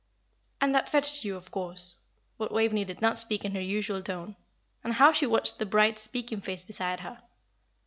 '" "And that fetched you, of course?" But Waveney did not speak in her usual tone. And how she watched the bright, speaking face beside her.